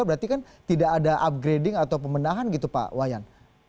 berarti kan tidak ada upgrading atau pemenahan gitu pak wayan